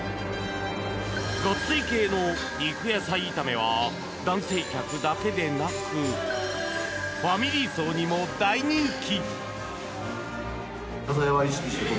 ガッツリ系の肉野菜炒めは男性客だけでなくファミリー層にも大人気。